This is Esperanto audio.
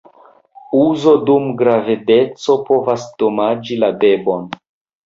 Uzo dum gravedeco povas damaĝi la bebon.